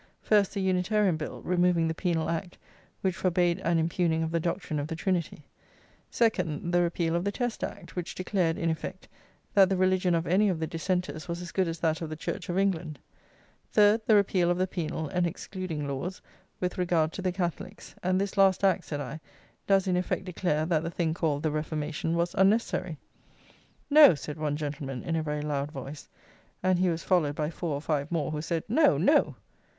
First, the Unitarian Bill, removing the penal act which forbade an impugning of the doctrine of the Trinity; second, the repeal of the Test Act, which declared, in effect, that the religion of any of the Dissenters was as good as that of the church of England; third, the repeal of the penal and excluding laws with regard to the Catholics; and this last act, said I, does in effect declare that the thing called "the Reformation" was unnecessary. "No," said one gentleman, in a very loud voice, and he was followed by four or five more, who said "No, No."